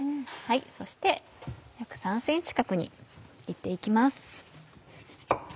そして約３ｃｍ角に切って行きます。